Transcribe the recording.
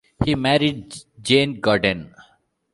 He married Jane Godden.